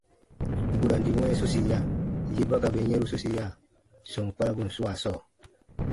Burandi wɛ̃ɛ sosiya, yè ba ka bè yɛ̃ru sosiya sɔm kparabun swaa sɔɔ.